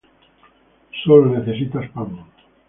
Solo necesitas pan